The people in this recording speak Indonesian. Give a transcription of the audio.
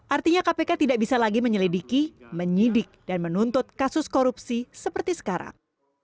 artinya kpk tidak bisa lagi menyelidiki menyidik dan menuntut kasus korupsi seperti sekarang